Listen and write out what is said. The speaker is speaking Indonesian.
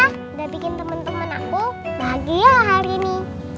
udah bikin temen temen aku bahagia hari ini